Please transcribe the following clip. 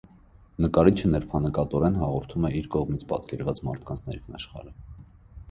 Նկարիչը նրբանկատորեն հաղորդում է իր կողմից պատկերված մարդկանց ներքնաշխարհը։